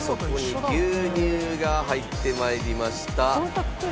牛乳が入ってまいりました。